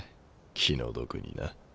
気の毒にな。